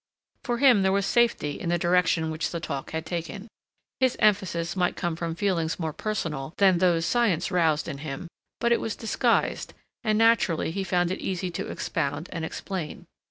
For him there was safety in the direction which the talk had taken. His emphasis might come from feelings more personal than those science roused in him, but it was disguised, and naturally he found it easy to expound and explain.